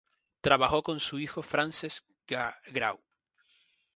Trabajó con su hijo Francesc Grau.